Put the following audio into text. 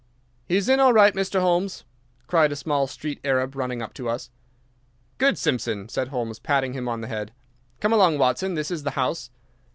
"He's in all right, Mr. Holmes," cried a small street Arab, running up to us. "Good, Simpson!" said Holmes, patting him on the head. "Come along, Watson. This is the house."